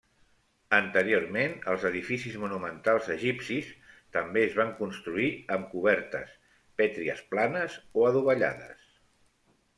Anteriorment, els edificis monumentals egipcis també es van construir amb cobertes pètries planes o adovellades.